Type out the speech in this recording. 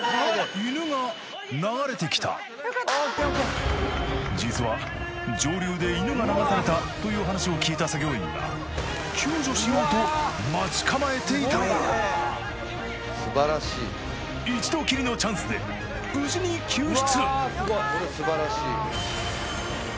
犬が流れてきた実は上流で犬が流されたという話を聞いた作業員が救助しようと待ち構えていたのだ一度きりのチャンスで無事に救出！